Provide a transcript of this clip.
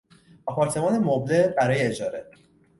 آپارتمان مبله برای اجاره